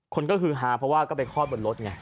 คนก็คือฮาเพราะว่าก็ไปคลอดบนรถไง